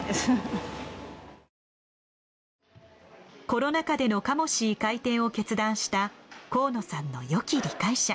コロナ禍でのカモシー開店を決断した河野さんのよき理解者。